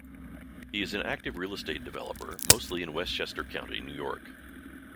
He is an active real estate developer, mostly in Westchester County, New York.